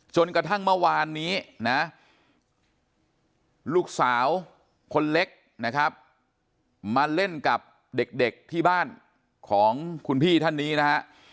จนกระทั่งเมื่อวานนี้นะลูกสาวคนเล็กนะครับมาเล่นกับเด็กที่บ้านของคุณพี่ท่านนี้นะฮะ